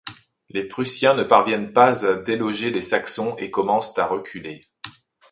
Les Prussiens ne parviennent pas à déloger les Saxons et commencent à reculer.